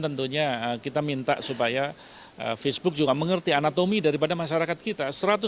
tentunya kita minta supaya facebook juga mengerti anatomi daripada masyarakat kita